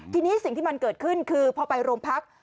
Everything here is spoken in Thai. ทีนี้สิ่งที่มันเกิดขึ้นคือพอไปโรงพัก